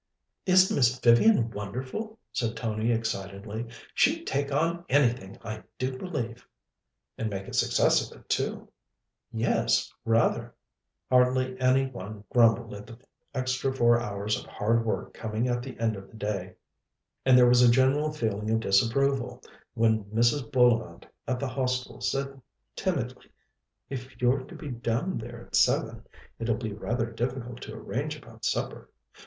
"Isn't Miss Vivian wonderful?" said Tony excitedly. "She'd take on anything, I do believe." "And make a success of it, too!" "Yes, rather." Hardly any one grumbled at the extra four hours of hard work coming at the end of the day, and there was a general feeling of disapproval when Mrs. Bullivant at the Hostel said timidly: "If you're to be down there at seven, it'll be rather difficult to arrange about supper.